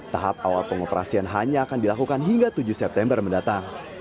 tahap awal pengoperasian hanya akan dilakukan hingga tujuh september mendatang